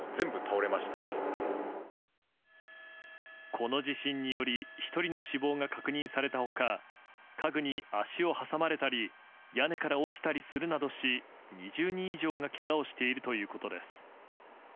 この地震により１人の死亡が確認された他家具に足を挟まれたり屋根から落ちたりするなどし２０人以上がけがをしているということです。